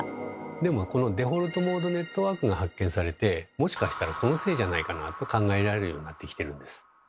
でもこのデフォルトモードネットワークが発見されてもしかしたらこのせいじゃないかなと考えられるようになってきてるんです。